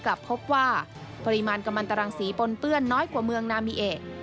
กลับพบว่าปริมาณกำลังตรังสีปนเปื้อนน้อยกว่าเมืองนามีเอ